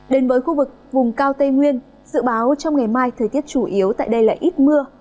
đến với khu vực vùng cao tây nguyên dự báo trong ngày mai thời tiết chủ yếu tại đây là ít mưa